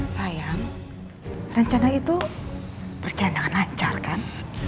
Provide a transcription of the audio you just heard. sayang rencana itu berjalan dengan lancar kan